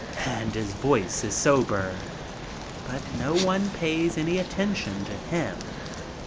and his voice is sober. But no one pays any attention to him.